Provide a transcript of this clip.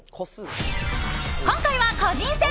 今回は個人戦。